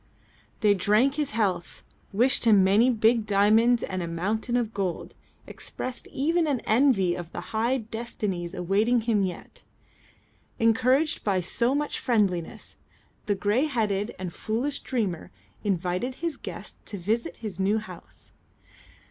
They drank his health, wished him many big diamonds and a mountain of gold, expressed even an envy of the high destinies awaiting him yet. Encouraged by so much friendliness, the grey headed and foolish dreamer invited his guests to visit his new house.